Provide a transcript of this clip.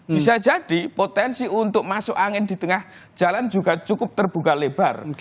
bisa jadi potensi untuk masuk angin di tengah jalan juga cukup terbuka lebar